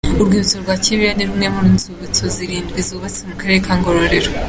Urwibutso rwa Kibirira ni rumwe mu nzibutso zirindwi zubatse mu Karere ka Ngororero.